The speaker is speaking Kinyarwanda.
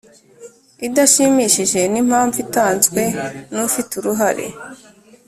idashimishijwe n impamvu itanzwe n ufite uruhare